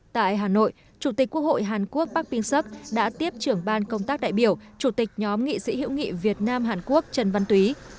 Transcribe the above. tại hà nội chủ tịch quốc hội hàn quốc park ping suk đã tiếp trưởng ban công tác đại biểu chủ tịch nhóm nghị sĩ hữu nghị việt nam hàn quốc trần văn túy